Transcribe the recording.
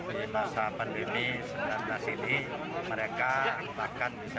di masa pandemi sedangkan sini mereka bahkan bisa ekspor